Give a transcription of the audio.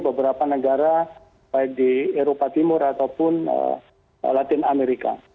beberapa negara baik di eropa timur ataupun latin amerika